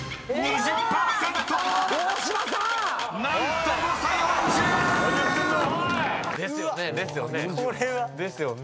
［何と誤差４０！］ですよね。